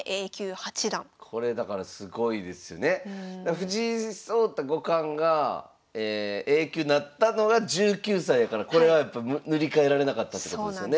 藤井聡太五冠がＡ級になったのが１９歳やからこれはやっぱ塗り替えられなかったということですよね。